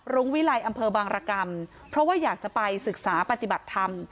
รุ้งวิลัยอำเภอบางรกรรมเพราะว่าอยากจะไปศึกษาปฏิบัติธรรม